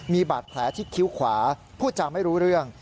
มีบาดแผลที่คิ้วขวาพูดจาไม่รู้เรื่อง